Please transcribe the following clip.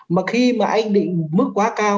mà khi mà anh định mức quá cao